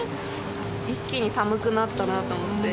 一気に寒くなったなと思って。